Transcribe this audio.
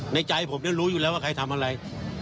ในใจผมรู้อยู่แล้วว่าใครทำอะไร